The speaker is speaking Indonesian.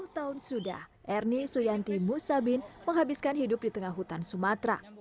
sepuluh tahun sudah ernie suyanti musabin menghabiskan hidup di tengah hutan sumatera